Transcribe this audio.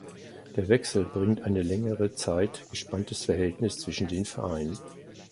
Der Wechsel bringt ein längere Zeit gespanntes Verhältnis zwischen den Vereinen.